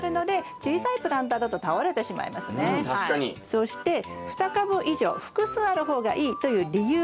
そして２株以上複数ある方がいいという理由がですね